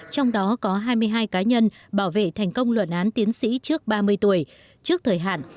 trong đó có hai mươi hai cá nhân bảo vệ thành công luận án tiến sĩ trước ba mươi tuổi trước thời hạn